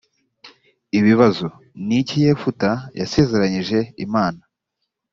ibibazo ni iki yefuta yasezeranyije imana